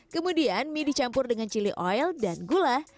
kemudian mie dicampur dengan chili oil dan gula